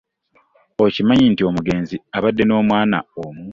Okimanyi nti omugenzi abade n'omwana omu.